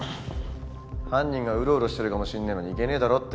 犯人がウロウロしてるかもしんねぇのに行けねぇだろって。